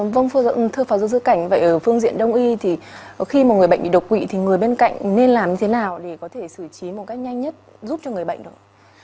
vâng thưa phó giáo sư cảnh vậy ở phương diện đông y thì khi mà người bệnh bị đột quỵ thì người bên cạnh nên làm thế nào để có thể xử trí một cách nhanh nhất giúp cho người bệnh được